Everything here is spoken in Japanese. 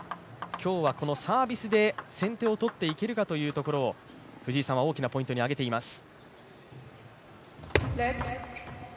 今日はサービスで先手を取っていけるかというところを藤井さんは大きなポイントに上げています。